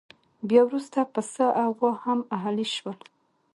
بیا وروسته پسه او غوا هم اهلي شول.